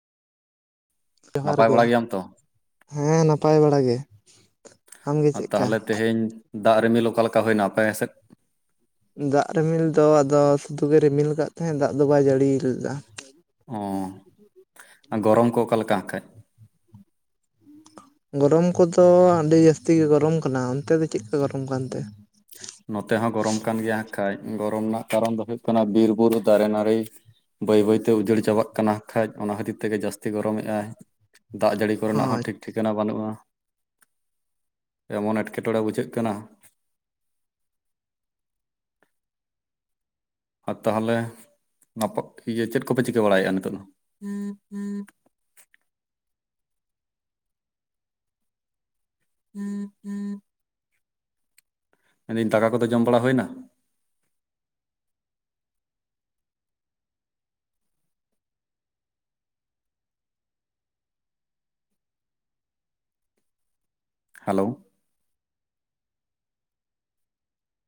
ᱡᱚᱦᱟᱨ ᱱᱟᱯᱟᱭ ᱜᱮ ᱵᱟᱲᱟ ᱜᱮᱭᱟᱢ ᱛᱚ? ᱦᱮᱸ ᱱᱟᱯᱟᱭ ᱵᱟᱲᱟ ᱜᱮ᱾ ᱟᱢᱜᱮ ᱟᱨ ᱪᱮᱫᱠᱟ᱾ ᱛᱟᱦᱚᱞᱮ ᱛᱮᱦᱮᱧ ᱫᱟᱜ ᱨᱤᱢᱤᱞ ᱚᱠᱟᱮ ᱞᱮᱠᱟ ᱦᱩᱭᱱᱟ᱾ ᱟᱯᱟᱭ ᱥᱮᱫ? ᱫᱟᱜ ᱨᱤᱢᱤᱞ ᱫᱚ ᱟᱫᱚ ᱥᱩᱫᱷᱽᱩᱜᱮ ᱨᱤᱢᱤᱞ ᱟᱠᱟᱫ ᱛᱟᱦᱮᱸᱫ ᱫᱟᱜ ᱫᱚ ᱵᱟᱭ ᱡᱟᱹᱲᱤ ᱞᱮᱫᱟ᱾ ᱚᱸ ᱟᱨ ᱜᱚᱨᱚᱢ ᱠᱚ ᱚᱠᱟᱞᱮᱠᱟ᱾ ᱠᱷᱟᱹᱡ? ᱜᱚᱨᱚᱢ ᱠᱚᱼᱫᱚ ᱟᱹᱰᱤ ᱡᱟᱹᱥᱛᱤ ᱜᱮ ᱜᱚᱨᱚᱢ ᱠᱟᱱᱟ᱾ ᱚᱱᱛᱮ ᱫᱚ ᱪᱮᱫᱠᱟ ᱜᱚᱨᱚᱢ ᱠᱟᱱᱛᱮ? ᱱᱚᱛᱮ ᱦᱚᱸ ᱜᱚᱨᱚᱢ ᱠᱟᱱ ᱜᱮᱭᱟ᱾ ᱠᱷᱟᱱᱡ ᱜᱚᱨᱚᱢ ᱨᱮᱱᱟᱜ ᱠᱟᱨᱚᱱ ᱫᱚ ᱦᱩᱭᱩ-ᱜ ᱠᱟᱱᱟ᱾ ᱵᱤᱨᱵᱩᱨᱩ ᱫᱟᱨᱮ ᱱᱟᱹᱲᱤᱸ ᱵᱟᱹᱭ ᱵᱟᱹᱭᱛᱮ ᱩᱡᱟᱹᱲ ᱪᱟᱵᱟ-ᱜ ᱠᱟᱱᱟ᱾ ᱠᱷᱟᱡ ᱚᱱᱟ ᱠᱷᱟᱹᱛᱤᱨ ᱛᱮᱜᱮ ᱡᱟᱹᱥᱛᱤ ᱜᱚᱨᱚᱢᱮᱜᱼ ᱟᱭ᱾ ᱫᱟᱜ ᱡᱟᱹᱲᱤ ᱦᱳᱭ ᱠᱚᱨᱮᱱᱟᱼᱜ ᱦᱚᱸ ᱴᱷᱤᱠ ᱴᱷᱤᱠᱟᱹᱱᱟ ᱵᱟᱹᱱᱩᱜᱼᱟ᱾ ᱮᱢᱚᱱ ᱮᱴᱠᱮᱴᱚᱬᱮᱸ ᱵᱩᱡᱷᱟᱹᱜ ᱠᱟᱱᱟ᱾ ᱟᱨ ᱛᱟᱦᱚᱞᱮ ᱪᱮᱫ ᱠᱚᱯᱮ ᱪᱤᱠᱟᱹ ᱵᱟᱲᱟᱭᱮᱫᱼᱟ ᱱᱤᱛᱚᱜ ᱫᱚ? [inaudible] ᱢᱮᱱᱫᱟᱹᱧ ᱫᱟᱠᱟ ᱠᱚᱼᱫᱚ ᱡᱚᱢ ᱵᱟᱲᱟ ᱦᱩᱭᱱᱟ᱾ ᱦᱮᱞᱳ